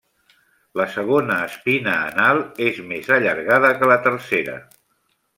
La segona espina anal és més allargada que la tercera.